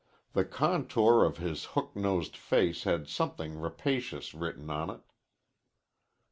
The contour of his hook nosed face had something rapacious written on it.